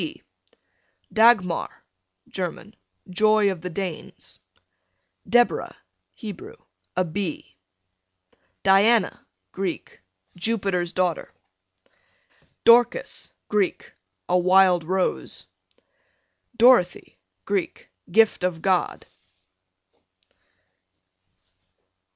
D Dagmar, German, joy of the Danes. Deborah, Hebrew, a bee. Diana, Greek, Jupiter's daughter. Dorcas, Greek, a wild roe. Dorothy, Greek, gift of God.